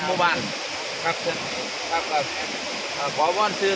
พวกมันกำลังพูดได้